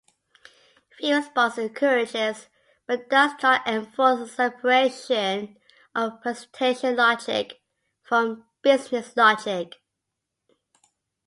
Fusebox encourages, but does not enforce, separation of presentation logic from business logic.